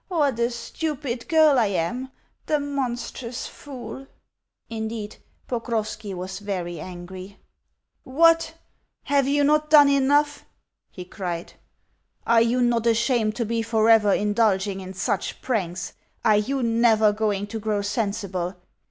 What a stupid girl I am! The monstrous fool!" Indeed, Pokrovski was very angry. "What? Have you not done enough?" he cried. "Are you not ashamed to be for ever indulging in such pranks? Are you NEVER going to grow sensible?"